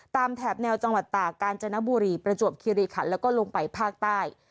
แถบแนวจังหวัดตากาญจนบุรีประจวบคิริขันแล้วก็ลงไปภาคใต้